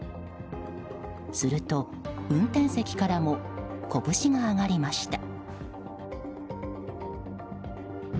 すると運転席からも拳が上がりました。